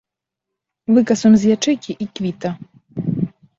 Выкасуем з ячэйкі, й квіта!